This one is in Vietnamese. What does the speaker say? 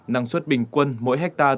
năng suất bình quân mỗi hectare